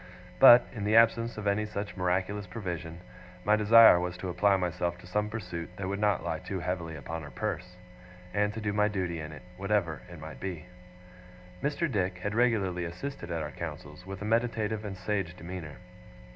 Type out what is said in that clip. But, in the absence of any such miraculous provision, my desire was to apply myself to some pursuit that would not lie too heavily upon her purse; and to do my duty in it, whatever it might be. Mr. Dick had regularly assisted at our councils, with a meditative and sage demeanour.